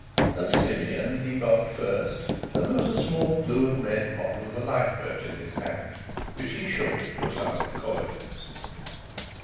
And Simeon debarked first, and there was a small blue and red model of a lifeboat in his hand, which he shook to a sound of coins.